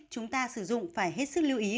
chúng ta sử dụng phải hết sức lưu ý